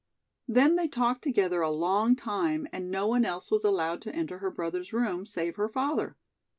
Then they talked together a long time and no one else was allowed to enter her brother's room, save her father.